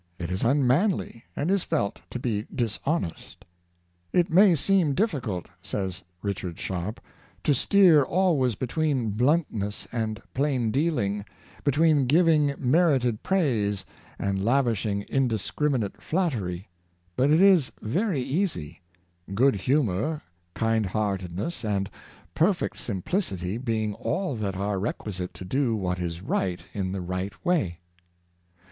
It is unman ly, and is felt to be dishonest. " It may seem difficult," says Richard Sharp, '^ to steer always between blunt ness and plain dealing, between giving merited praise and lavishing indiscriminate flattery; but it is very easy — good humor, kind heartedness and perfect simplicity, being all that are requisite to do what is right in the right way."